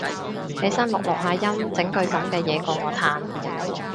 起身錄錄下音整句噉嘅嘢過我嘆